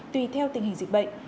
tùy theo tình hình dịch bệnh